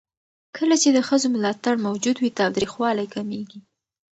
کله چې د ښځو ملاتړ موجود وي، تاوتريخوالی کمېږي.